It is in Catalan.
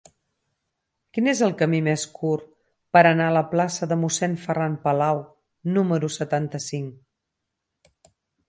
Quin és el camí més curt per anar a la plaça de Mossèn Ferran Palau número setanta-cinc?